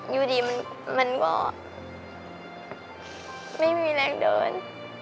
อยู่ดีมันก็ไม่มีแรงเดิน